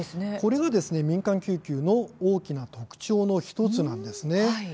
これは民間救急の大きな特徴の１つなんですね。